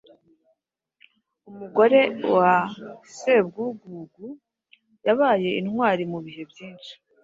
Umugore wa Sebwugugu yabaye intwari mu bihe byinshi,